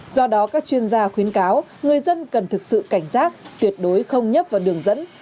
do đó các chuyên gia khuyến cáo người dân cần thực sự cảnh giác tuyệt đối không nhấp vào đường dẫn